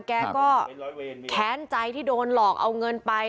แกก็แค้นใจที่โดนหลอกเอาเงินไป